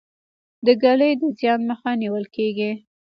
د ږلۍ د زیان مخه نیول کیږي.